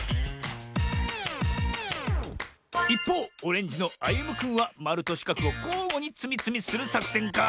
いっぽうオレンジのあゆむくんはまるとしかくをこうごにつみつみするさくせんか？